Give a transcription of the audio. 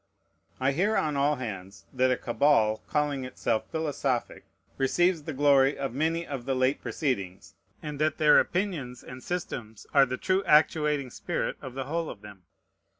I hear on all hands, that a cabal, calling itself philosophic, receives the glory of many of the late proceedings, and that their opinions and systems are the true actuating spirit of the whole of them.